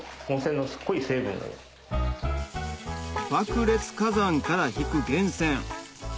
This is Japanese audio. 爆裂火山から引く源泉